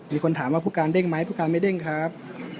มีคนถามว่าผู้การเด้งไหมผู้การไม่เด้งครับ